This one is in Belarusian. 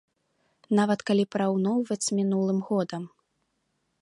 Нават калі параўноўваць з мінулым годам.